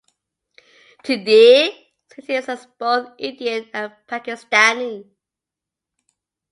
Today, Sindhis are both Indian and Pakistani.